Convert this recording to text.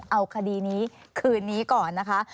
เอาคดีนี้คืนนี้ก่อนนะคะ